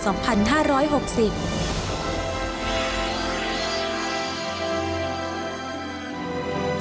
ฉบับวันที่๒๕ตุลาคมพุทธศักราช๒๕๖๐